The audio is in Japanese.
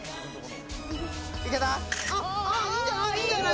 いいんじゃない？